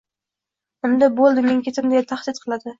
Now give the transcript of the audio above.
unga: “Bo‘ldi! Men ketdim!”, deya tahdid qiladi.